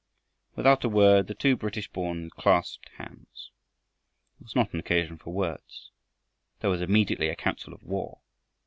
Without a word the two British born clasped hands. It was not an occasion for words. There was immediately a council of war.